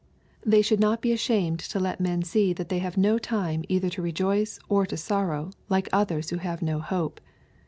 They should not be ashamed to let men see that they have no time either to rejoice or to sorrow like others who have no hope.